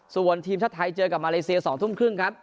ส่วนทีมชาติไทยเจอกับมาเลเซีย๒ทุ่มครึ่งครับ